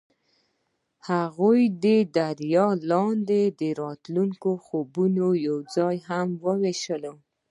هغوی د دریا لاندې د راتلونکي خوبونه یوځای هم وویشل.